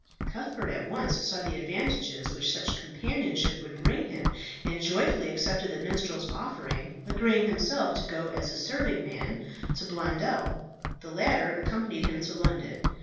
Cuthbert at once saw the advantages which such companionship would bring him, and joyfully accepted the minstrel's offer, agreeing himself to go as serving man to Blondel. The latter accompanied him to London.